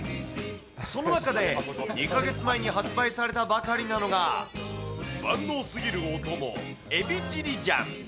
その中で、２か月前に発売されたばかりなのが、万能すぎるお供、エビチリジャン。